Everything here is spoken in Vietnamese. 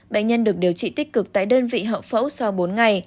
bệnh nhân được điều trị tích cực tại đơn vị hậu phẫu sau bốn ngày